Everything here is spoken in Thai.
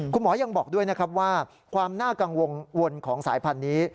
คุณหมอยังบอกด้วยนะครับว่าความน่ากังวลวนของสายพันธุ์นี้